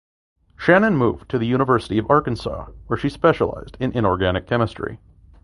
Shannon moved to the University of Arkansas where she specialised in inorganic chemistry.